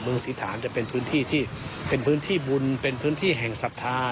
ศรีฐานจะเป็นพื้นที่ที่เป็นพื้นที่บุญเป็นพื้นที่แห่งศรัทธา